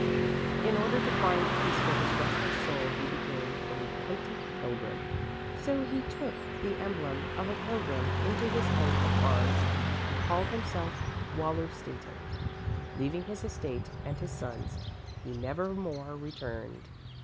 In order to find peace for his restless soul he became a repentant pilgrim. So he took the emblem of a pilgrim into his coat of arms and called himself Wallerstätten. Leaving his estate and his sons, he nevermore returned.